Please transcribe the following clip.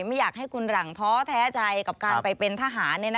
ไม่อยากให้คุณหลังท้อแท้ใจกับการไปเป็นทหาร